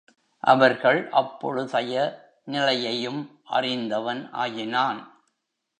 அவர்கள் அப்பொழுதைய நிலையையும் அறிந்தவன் ஆயினான்.